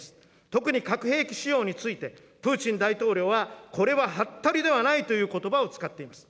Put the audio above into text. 特に核兵器使用について、プーチン大統領は、これは、はったりではないということばを使っています。